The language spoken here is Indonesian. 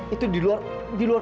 itu di luar